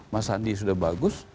mas andi sudah bagus